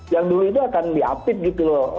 yang dulu itu akan di update gitu loh